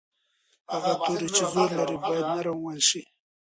هغه توری چې زور لري باید نرم وویل شي.